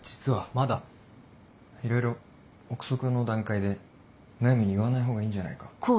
まだいろいろ臆測の段階でむやみに言わない方がいいんじゃないか？